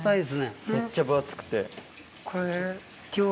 めっちゃ分厚くて。